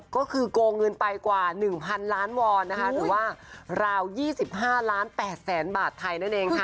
ก็คือโกงเงินไปกว่า๑๐๐ล้านวอนนะคะหรือว่าราว๒๕ล้าน๘แสนบาทไทยนั่นเองค่ะ